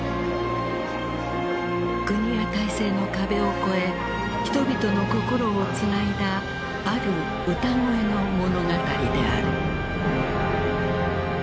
国や体制の壁をこえ人々の心をつないだある歌声の物語である。